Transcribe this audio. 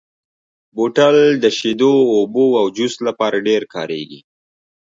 بوتل د شیدو، اوبو او جوس لپاره ډېر کارېږي.